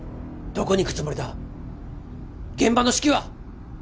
どこに行くつもりだ現場の指揮は？